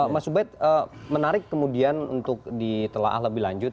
mas ubaid menarik kemudian untuk ditelaah lebih lanjut